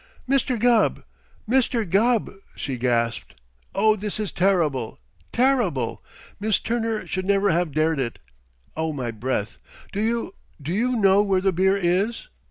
"Mister Gubb! Mister Gubb!" she gasped. "Oh, this is terrible! Terrible! Miss Turner should never have dared it! Oh, my breath! Do you do you know where the beer is?"